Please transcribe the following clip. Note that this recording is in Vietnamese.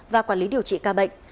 và quản lý điều trị ca bệnh